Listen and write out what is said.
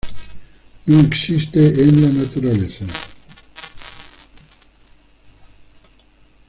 No existe en la naturaleza.